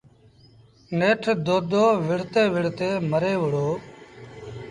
نيٺ دودو وڙهتي وڙهتي مري وُهڙو۔